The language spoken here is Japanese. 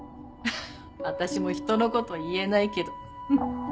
私も人の事言えないけど。